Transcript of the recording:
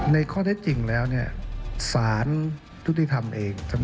มีความรู้สึกว่า